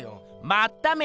まっため！